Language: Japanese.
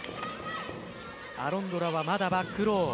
アロンドラはまだバックロー。